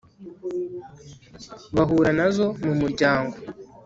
bahura nazo mu muryango